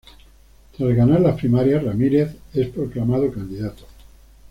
Tras ganar las primarias, Ramírez es proclamado candidato.